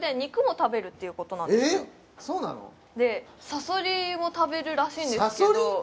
サソリも食べるらしいんですけどサソリ？